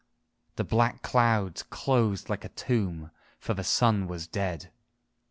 The black clouds closed like a tomb, for the sun was dead.